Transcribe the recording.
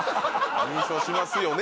「優勝しますよね」